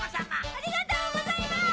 ありがとうございます！